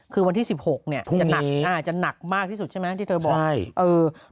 คือวันที่๑๖จะหนักมากที่สุดใช่ไหมที่เธอบอก